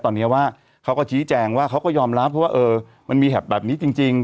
ตอนนี้ว่าเขาก็ชี้แจงว่าเขาก็ยอมรับเพราะว่ามันมีแบบนี้จริง